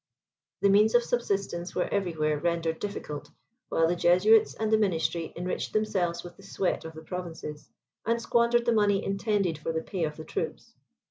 The means of subsistence were everywhere rendered difficult, while the Jesuits and the ministry enriched themselves with the sweat of the provinces, and squandered the money intended for the pay of the troops.